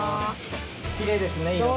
きれいですね色合いが。